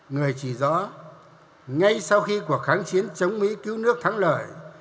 người chỉ rõ ngay sau khi cuộc kháng chiến chống mỹ cứu nước thắng lợi